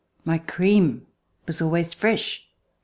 My cream was always fresh.